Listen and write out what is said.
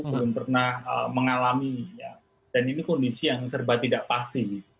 belum pernah mengalami dan ini kondisi yang serba tidak pasti